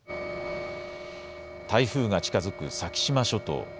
台風が近づく先島諸島。